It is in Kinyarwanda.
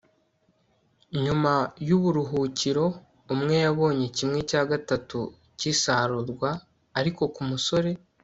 nyuma yuburuhukiro umwe yabonye kimwe cya gatatu cyisarurwa. ariko kumusore